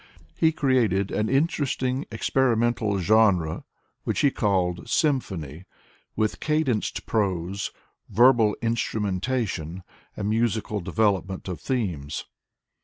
He created an interesting, experimental genre which he called " qrmphony,*' with cadenced prose, verbal instrumentation and musical development of themes.